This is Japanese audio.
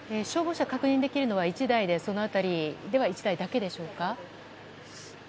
消防車が確認できるのはその辺りでは１台だけでしょうか。